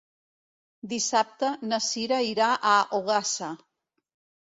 Dissabte na Cira irà a Ogassa.